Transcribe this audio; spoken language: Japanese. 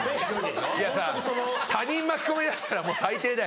いやさぁ他人巻き込みだしたらもう最低だよ。